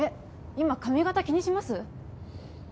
今髪形気にします？